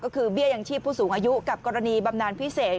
ก็คือเบี้ยยังชีพผู้สูงอายุกับกรณีบำนานพิเศษ